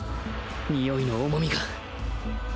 においの重みが